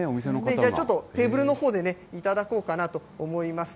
ちょっとテーブルのほうでいただこうかなと思います。